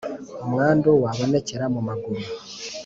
umwandu wabonekera mu maguru